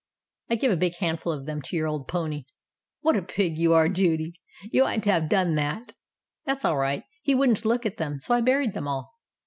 "I gave a big handful of them to your old pony." "What a pig you are, Judy ! You oughtn't to have done that." "That's all right. He wouldn't look at them. So I buried them all